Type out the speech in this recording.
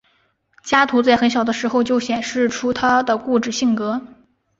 加图在很小的时候就显示出他的固执性格。